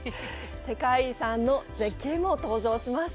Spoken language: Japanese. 世界遺産の絶景も登場します。